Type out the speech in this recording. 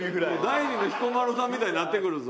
第二の彦摩呂さんみたいになってくるぞ。